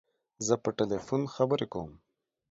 زه په تلیفون خبری کوم.